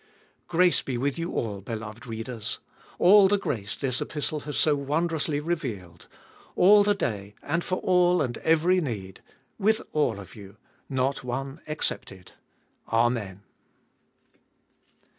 3. Grace be with you all, beloved readers ; all the grace this Epistle has so wondrously revealed; all the day and for all and euery need. With all of you, not one excepted—Amen.